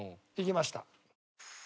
いきました。